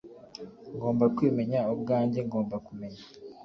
Ngomba kwimenya ubwanjye ngomba kumenya